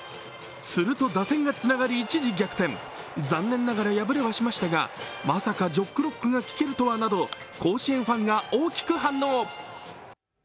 すると打線がつながり一時逆転、残念ながら敗れはしましたがまさか「ジョックロック」が聞けるとはなど甲子園ファンが大きく反応。